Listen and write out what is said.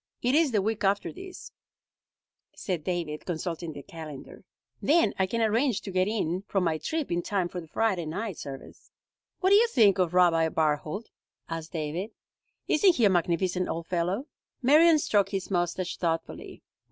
"It is the week after this," said David, consulting the calendar. "Then I can arrange to get in from my trip in time for the Friday night service." "What do you think of Rabbi Barthold?" asked David. "Isn't he a magnificent old fellow?" Marion stroked his mustache thoughtfully.